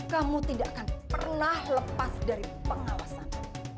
kamu tidak akan pernah lepas dari pengawasan